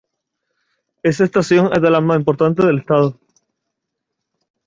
Esta estación es de las más importantes del estado.